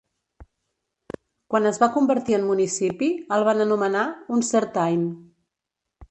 Quan es va convertir en municipi, el van anomenar "Uncertain".